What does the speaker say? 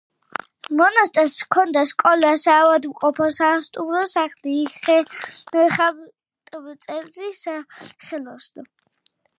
მონასტერს ჰქონდა სკოლა, საავადმყოფო, სასტუმრო სახლი, ხატმწერი სახელოსნო.